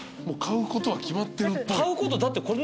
もう買うことは決まってるっぽい。